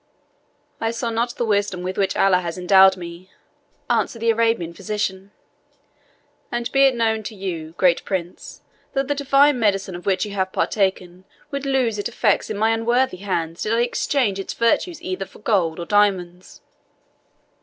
"I sell not the wisdom with which Allah has endowed me," answered the Arabian physician; "and be it known to you, great Prince, that the divine medicine of which you have partaken would lose its effects in my unworthy hands did I exchange its virtues either for gold or diamonds."